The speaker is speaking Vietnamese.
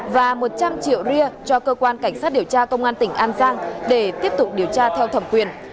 và một trăm linh triệu ri cho cơ quan cảnh sát điều tra công an tỉnh an giang để tiếp tục điều tra theo thẩm quyền